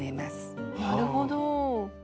なるほど。